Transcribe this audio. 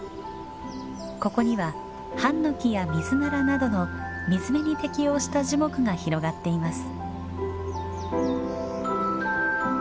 ここにはハンノキやミズナラなどの水辺に適応した樹木が広がっています。